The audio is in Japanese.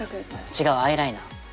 違うアイライナー。